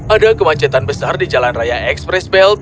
ada kemacetan besar di jalan raya express belt